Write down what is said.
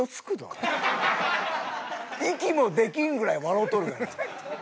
息もできんぐらい笑うとるがな。